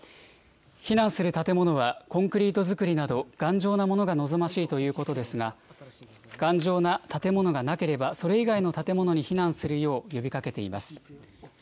避難する建物は、コンクリート造りなど、頑丈なものが望ましいということですが、頑丈な建物がなければ、それ以外の建物に避難するよう呼びかけています。